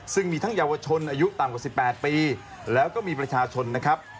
ซึ่งมีทั้งเยาวชนอายุต่ำกว่า๑๘ปีแล้วก็มีประชาชนนะครับ